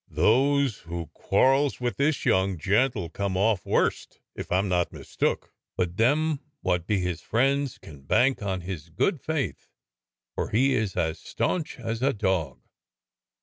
Those who quarrels with this young gent'll come off worst, if I'm not mistook, but them wot be his friends can bank on his good faith, for he's as staunch as a dog.